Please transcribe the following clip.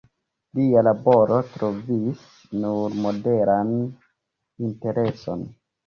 Lia laboro trovis nur moderan intereson.